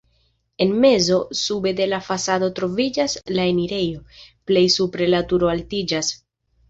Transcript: En mezo, sube de la fasado troviĝas la enirejo, plej supre la turo altiĝas.